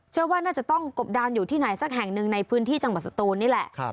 เชื่อว่าน่าจะต้องกบดานอยู่ที่ไหนสักแห่งหนึ่งในพื้นที่จังหวัดสตูนนี่แหละ